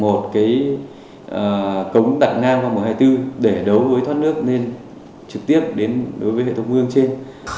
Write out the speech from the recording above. một cái cống tạng ngang qua một trăm hai mươi bốn để đấu với thoát nước nên trực tiếp đến đối với hệ thống vương trên